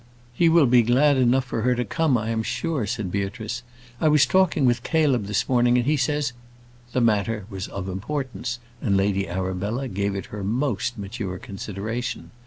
"He will be glad enough for her to come, I am sure," said Beatrice. "I was talking with Caleb this morning, and he says " The matter was of importance, and Lady Arabella gave it her most mature consideration.